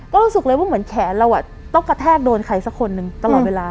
ก็รู้สึกเลยว่าเหมือนแขนเราต้องกระแทกโดนใครสักคนหนึ่งตลอดเวลา